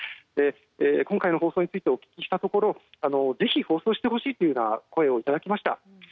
今回の放送についてお聞きしたところぜひ放送してほしいという声をいただきました。